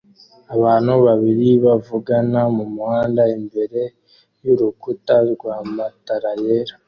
Abantu babiri bavugana numuhanda imbere yurukuta rwana matara yera